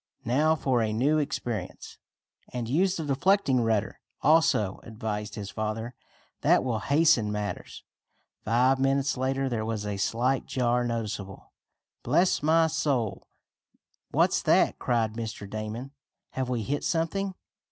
"Now for a new experience!" "And use the deflecting rudder, also," advised his father. "That will hasten matters." Five minutes later there was a slight jar noticeable. "Bless my soul! What's that?" cried Mr. Damon. "Have we hit something?"